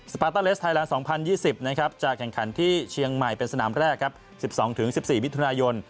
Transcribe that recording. สปาร์ตาเลสไทยลานด์๒๐๒๐จะแข่งขันที่เชียงใหม่เป็นสนามแรก๑๒๑๔วิทยุนายน